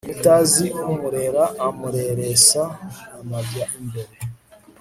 utazi umurera amureresa amabya imbere